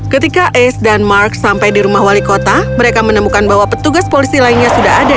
ketika ace dan mark sampai di rumah wali kota mereka menemukan bahwa petugas polisi lainnya sudah ada